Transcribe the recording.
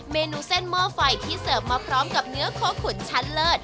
เมนูเส้นหม้อไฟที่เสิร์ฟมาพร้อมกับเนื้อโคขุดชั้นเลิศ